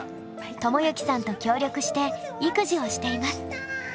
知之さんと協力して育児をしています。